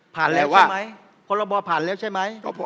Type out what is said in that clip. ผ่านแล้วใช่ไหม